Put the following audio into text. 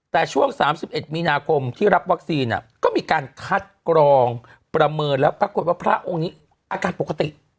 แต่ช่วง๓๑มีนาคมที่รับวัคซีนก็มีการคัดกรองประเมินแล้วปรากฏว่าพระองค์นี้อาการปกติ